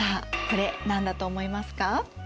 これ何だと思いますか？